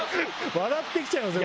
笑ってきちゃいますね